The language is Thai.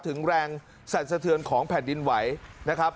ถึงแรงสั่นสะเทือนของแผ่นดินไหวนะครับ